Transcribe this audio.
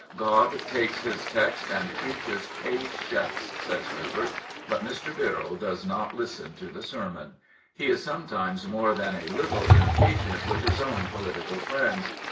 " God takes his text and preaches pat i ence," says Herbert, but Mr. Birrell does not listen to the sermon. He is sometimes more than a little impatient with his own political friends.